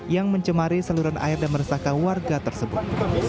yang mencemari saluran air dan meresahkan warga tersebut